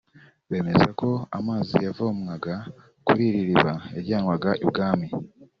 bemeza ko amazi yavomwaga kuri iri riba yajyanwaga i bwami